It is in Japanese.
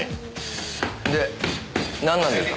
でなんなんですか？